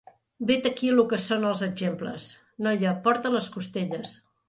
Vet-aquí lo que són els exemples. Noia, porta les costelles!